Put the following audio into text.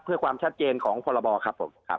เพื่อความชัดเจนของพรบครับผมครับ